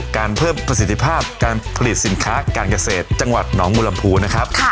การเพิ่มประสิทธิภาพการผลิตสินค้าการเกษตรจังหวัดหนองบุรมภูนะครับ